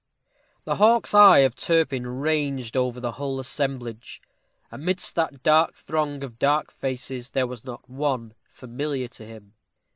The hawk's eye of Turpin ranged over the whole assemblage. Amidst that throng of dark faces there was not one familiar to him.